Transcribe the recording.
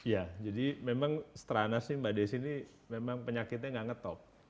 iya jadi memang seterana sih mbak desi ini memang penyakitnya nggak ngetop